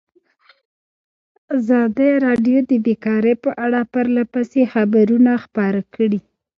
ازادي راډیو د بیکاري په اړه پرله پسې خبرونه خپاره کړي.